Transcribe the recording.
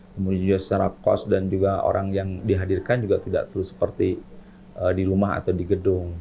kemudian juga secara kos dan juga orang yang dihadirkan juga tidak perlu seperti di rumah atau di gedung